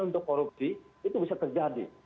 untuk korupsi itu bisa terjadi